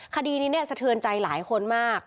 คดีนี้สะเทือนใจหลายคนมาก